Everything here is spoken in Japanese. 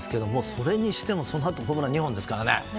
それにしても、そのあとホームラン２本ですからね。